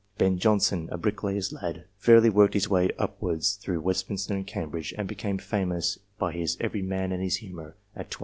Ben Jonson, a bricklayer's lad, fairly worked his way upwards through Westminster and Cam bridge, and became famous by his " Every Man in his Humour," at 24.